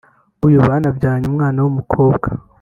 uyu banabyaranye umwana w’umukobwa